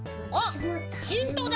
おっヒントだ！